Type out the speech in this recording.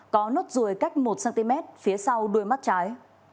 có nốt ruồi cách một cm phía sau đuôi mắt trái